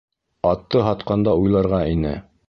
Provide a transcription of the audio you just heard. Атты һатҡанда уйларға ине!